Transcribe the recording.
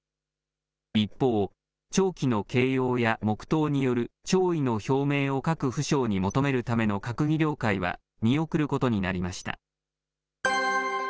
一方、弔旗の掲揚や、黙とうによる弔意の表明を各府省に求めるための閣議了解は見送ることになりました。